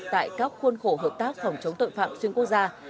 tại các khuôn khổ hợp tác phòng chống tội phạm xuyên quốc gia